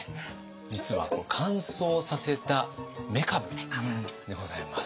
実は乾燥させためかぶでございます。